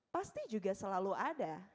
pasti juga selalu ada